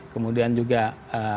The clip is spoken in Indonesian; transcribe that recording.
kemudian juga ee